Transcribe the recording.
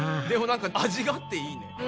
でもなんか味があっていいね。